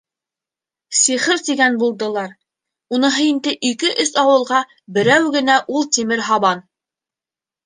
Сихыр тигән булдылар, уныһы инде ике-өс ауылға берәү генә ул тимер һабан.